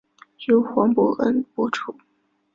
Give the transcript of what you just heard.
由黄承恩播出。